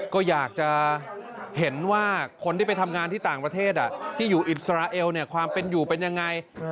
ก็อยากจะเห็นว่าคนที่ไปทำงานที่ต่างประเทศที่อยู่อิสราเอลความเป็นอยู่เป็นยังไง